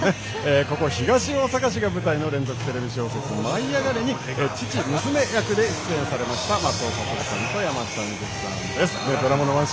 ここ東大阪市が舞台の連続テレビ小説「舞いあがれ！」に父娘役で出演されました松尾諭さんと山下美月さんです。